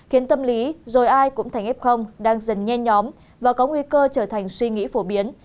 khiến tâm lý rồi ai cũng thành f đang dần nhen nhóm và có nguy cơ trở thành suy nghĩ phổ biến